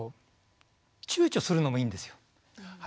ちゅうちょするのもいいんですよ。